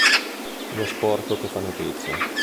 Lo sporco che fa notizia.